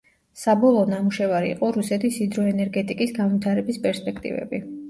საბოლოო ნამუშევარი იყო „რუსეთის ჰიდროენერგეტიკის განვითარების პერსპექტივები“.